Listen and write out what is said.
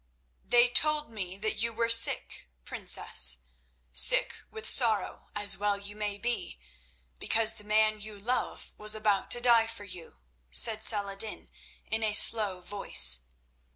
"They told me that you were sick, princess, sick with sorrow, as well you may be, because the man you love was about to die for you," said Saladin in a slow voice.